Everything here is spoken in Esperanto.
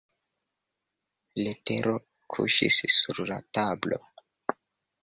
Letero kuŝis sur la tablo.